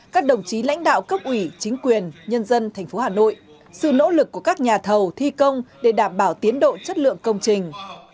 các đồng chí lãnh đạo cấp ủy chính quyền nhân dân tp hà nội sự nỗ lực của các nhà thầu thi công để đảm bảo tiến độ chất lượng công trình